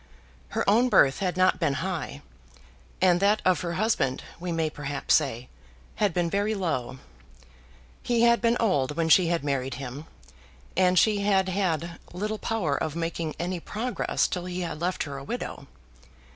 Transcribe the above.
Her own birth had not been high, and that of her husband, we may perhaps say, had been very low. He had been old when she had married him, and she had had little power of making any progress till he had left her a widow.